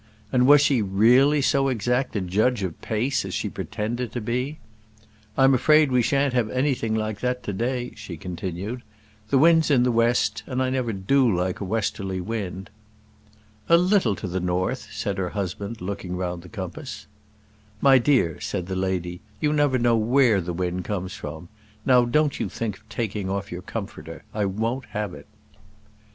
And was she really so exact a judge of pace as she pretended to be? "I'm afraid we shan't have anything like that to day," she continued. "The wind's in the west, and I never do like a westerly wind." "A little to the north," said her husband, looking round the compass. "My dear," said the lady, "you never know where the wind comes from. Now don't you think of taking off your comforter. I won't have it."